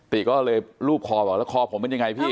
ติก็เลยรูปคอบอกแล้วคอผมเป็นยังไงพี่